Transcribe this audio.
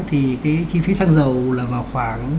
thì cái chi phí sang dầu là vào khoảng